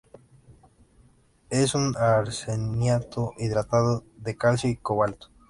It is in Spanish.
Es un arseniato hidratado de calcio y cobalto.